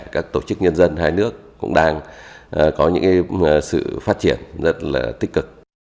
các tổ chức nhân dân hai nước cũng đang có những sự phát triển rất là tích cực